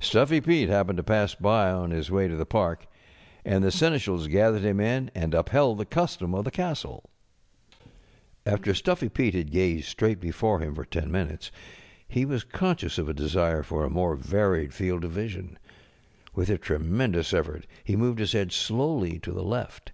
StufiTy Pete happened to pass by on his way to the park, and the seneschals gathered him in and upheld the custom of the castle. After Stuffy Fete had gazed straight before him for ten minutes he was conscious of a desire for a more varied field of vision. With a tremendous effort he moved his head slowly to the left.